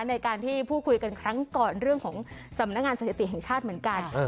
ในการที่พูดคุยกันครั้งก่อนเรื่องของสำนักงานสถิติแห่งชาติเหมือนกัน